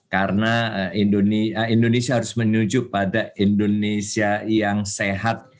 karena indonesia harus menuju pada indonesia yang sehat